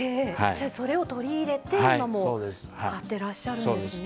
それを取り入れて今も使っていらっしゃるんですね。